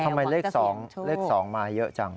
ทำไมเลข๒มาเยอะจัง